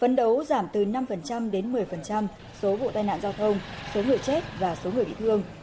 phấn đấu giảm từ năm đến một mươi số vụ tai nạn giao thông số người chết và số người bị thương